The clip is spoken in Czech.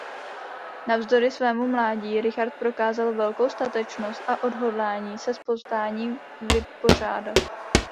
Navzdory svému mládí Richard prokázal velkou statečnost a odhodlání se s povstáním vypořádat.